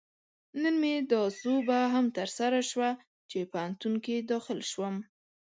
نن مې دا سوبه هم ترسره شوه، چې پوهنتون کې داخل شوم